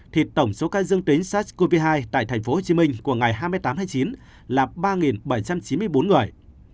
thì tổng số ca dương tính sars cov hai tại tp hcm của ngày hai mươi tám tháng chín là ba bảy trăm chín mươi bốn người